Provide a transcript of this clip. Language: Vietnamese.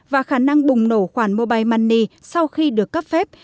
và khả năng bùng nổ khoản mobile money sau khi được cấp phép